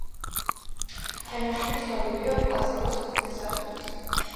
ფენომენი ცნობილია პლაცებოს ეფექტის სახელით.